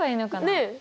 ねえ。